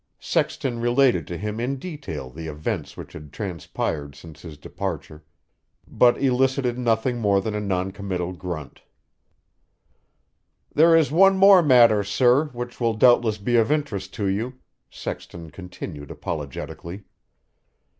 Sexton related to him in detail the events which had transpired since his departure, but elicited nothing more than a noncommittal grunt. "There is one more matter, sir, which will doubtless be of interest to you," Sexton continued apologetically.